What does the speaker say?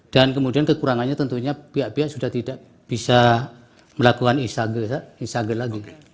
dan kemudian kekurangannya tentunya pihak pihak sudah tidak bisa melakukan isage isage lagi